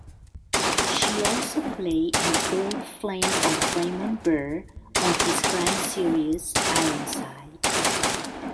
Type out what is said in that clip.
She also played an old flame of Raymond Burr on his crime series "Ironside".